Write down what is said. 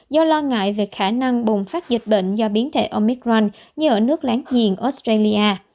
do lo ngại về khả năng bùng phát dịch bệnh do biến thể omicrank như ở nước láng giềng australia